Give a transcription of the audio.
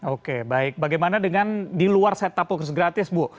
oke baik bagaimana dengan di luar set top box gratis bu